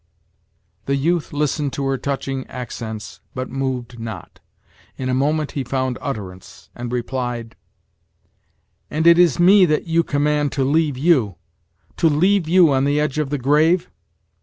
The youth listened to her touching accents, but moved not. In a moment he found utterance, and replied: "And is it me that you command to leave you! to leave you on the edge of the grave?